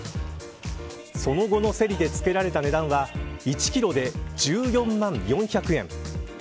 その後の競りで付けられた値段は１キロで１４万４００円。